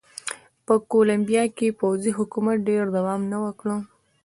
په کولمبیا کې پوځي حکومت ډېر دوام ونه کړ.